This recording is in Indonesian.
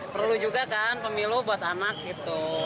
perlu juga kan pemilu buat anak gitu